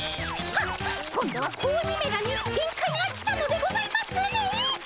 はっ今度は子鬼めらに限界が来たのでございますね。